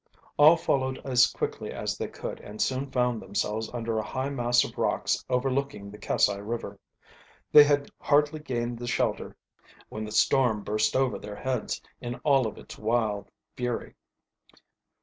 All followed as quickly as they could, and soon found themselves under a high mass of rocks overlooking the Kassai River. They had hardly gained the shelter when the storm burst over their heads in all of its wild fury.